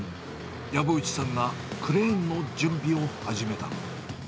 薮内さんがクレーンの準備を始めた。